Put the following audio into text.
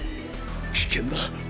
危険だ。